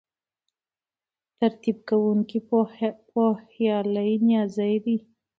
ترتیب کوونکی پوهیالی نیازی دی.